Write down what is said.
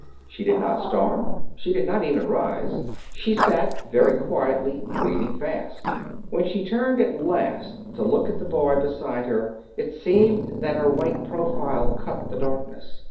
She did not storm. She did not even rise. She sat very quietly, breathing fast. When she turned at last to look at the boy beside her it seemed that her white profile cut the darkness.